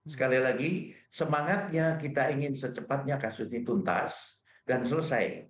sekali lagi semangatnya kita ingin secepatnya kasus ini tuntas dan selesai